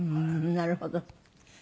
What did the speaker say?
なるほど。